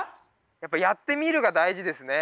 やっぱやってみるが大事ですね！